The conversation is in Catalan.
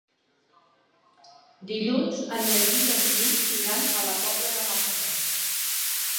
Dilluns en Magí i en Quim iran a la Pobla de Mafumet.